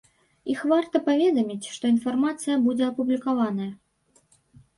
Іх варта паведаміць, што інфармацыя будзе апублікаваная.